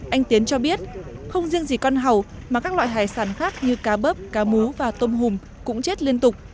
anh tiến cho biết không riêng gì con hầu mà các loại hải sản khác như cá bớp cá mú và tôm hùm cũng chết liên tục